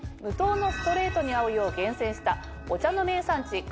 無糖のストレートに合うよう厳選したお茶の名産地